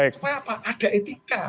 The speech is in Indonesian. supaya apa ada etika